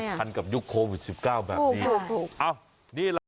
ไม่ทันกับยุคโควิดสิบเก้าแบบนี้พูดถูกพูดถูกพูดถูกเอ้านี่แหละ